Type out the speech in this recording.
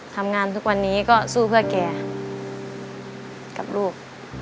ทำงานทุกวันนี้ก็สู้เพื่อแกกับลูก